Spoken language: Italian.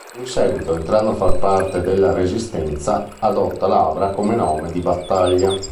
In seguito, entrando a far parte della Resistenza, adotta Lavra come nome di battaglia.